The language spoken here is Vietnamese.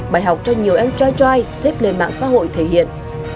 bài học cho nhiều em trai choai thích lên mạng xã hội thể hiện